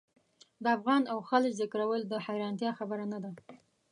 د افغان او خلج ذکرول د حیرانتیا خبره نه ده.